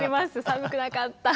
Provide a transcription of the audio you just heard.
寒くなかった。